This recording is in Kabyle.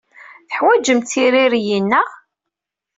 Teḥwajemt tiririyin, naɣ?